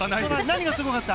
何がすごかった？